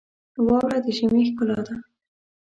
واوره د ژمي ښکلا ده.